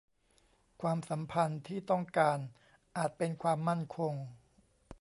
ความสัมพันธ์ที่ต้องการอาจเป็นความมั่นคง